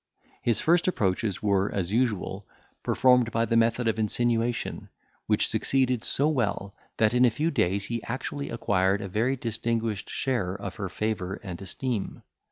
His first approaches were, as usual, performed by the method of insinuation, which succeeded so well, that in a few days he actually acquired a very distinguished share of her favour and esteem.